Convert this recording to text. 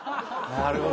なるほど。